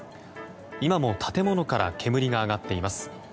今も、建物から煙が上がっています。